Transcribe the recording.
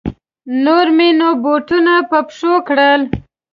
نور مې نو بوټونه په پښو کړل.